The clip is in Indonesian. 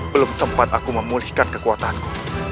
belum sempat aku memulihkan kekuatanku